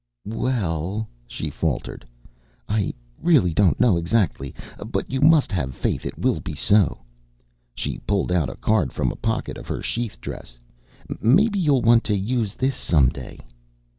"We l l ," she faltered, "I really don't know exactly. But you must have faith it will be so." She pulled out a card from a pocket of her sheath dress. "Maybe you'll want to use this some day."